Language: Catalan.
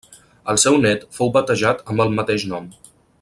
El seu nét fou batejat amb el mateix nom.